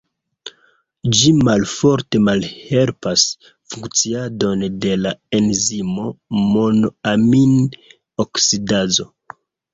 Ĝi malforte malhelpas funkciadon de la enzimo monoamin-oksidazo.